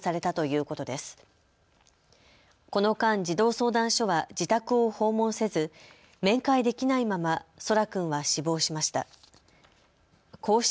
この間、児童相談所は自宅を訪問せず面会できないまま空来君は死亡しました。